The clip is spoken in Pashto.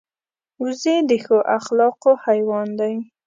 وزې د ښو اخلاقو حیوان دی